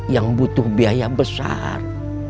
yang butuh biaya besar